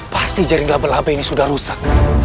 pasti jaring laba laba ini sudah rusak